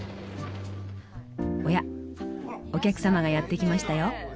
おやお客様がやって来ましたよ。